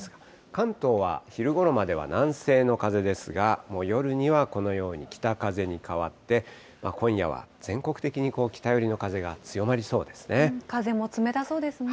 関東は昼ごろまでは南西の風ですが、もう夜にはこのように北風に変わって、今夜は全国的にこう、風も冷たそうですね。